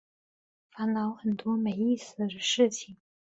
烦恼很多没意思的事情